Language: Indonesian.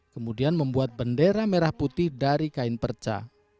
kemudian membuat bendera merah putih dari kain perca